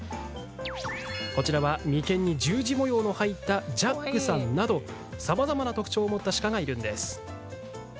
そして、眉間に十字模様の入ったジャックさんなどさまざまな特徴を持った鹿がいるんです。